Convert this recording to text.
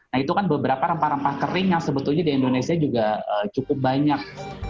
nah itu kan beberapa rempah rempah kering yang sebetulnya di indonesia juga cukup banyak